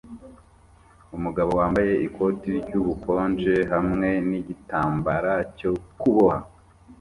Umugabo wambaye ikoti ryubukonje hamwe nigitambara cyo kuboha